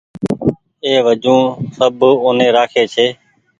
اي وجون سب اوني رآکي ڇي